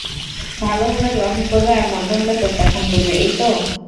ভাল হলে গ্রহণ করবে আর মন্দ হলে প্রত্যাখ্যান করবে, এই তো।